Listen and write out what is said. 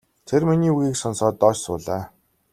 Тэр миний үгийг сонсоод доош суулаа.